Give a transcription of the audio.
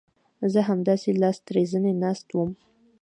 زه همداسې لاس تر زنې ناست وم.